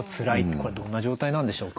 これどんな状態なんでしょうか？